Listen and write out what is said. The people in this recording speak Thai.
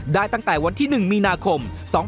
ตั้งแต่วันที่๑มีนาคม๒๕๖๒